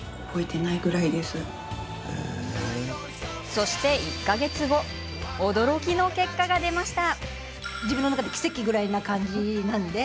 そして、１か月後驚きの結果が出ました。